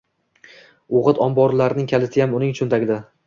O‘g‘it omborining kalitiyam uning cho‘ntagida